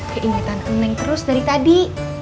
keingetan eneng terus dari tadi